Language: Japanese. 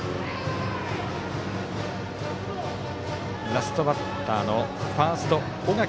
ラストバッターのファースト、小垣。